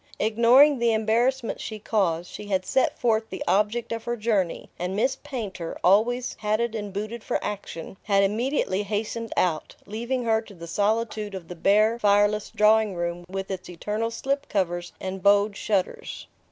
Ignoring the embarrassment she caused, she had set forth the object of her journey, and Miss Painter, always hatted and booted for action, had immediately hastened out, leaving her to the solitude of the bare fireless drawing room with its eternal slip covers and "bowed" shutters.